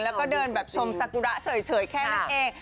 แล้วก็เดินแบบชมสกุระเฉยแค่นั้นเอง